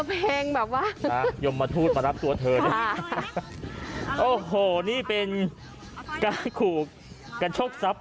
เออเพลงแบบว่ายมมาทูตมารับตัวเธอโอ้โหนี่เป็นกระขู่กระชกทรัพย์